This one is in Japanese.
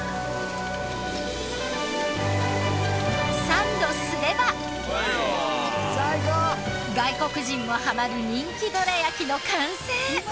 サンドすれば外国人もハマる人気どら焼きの完成！